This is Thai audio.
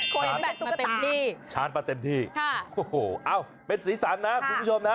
โคยแอมแบตมาเต็มที่ชาร์จมาเต็มที่โอ้โหเป็นศีรษรนะคุณผู้ชมนะ